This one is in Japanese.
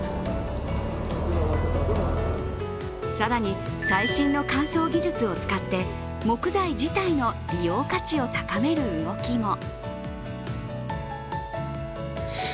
更に、最新の乾燥技術を使って木材自体の利用価値を高める動きも。